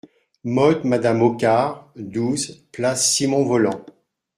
Modes Madame Hoccart, douze, Place Simon-Vollant.